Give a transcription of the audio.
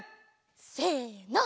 せの。